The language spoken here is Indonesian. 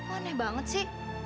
aneh banget sih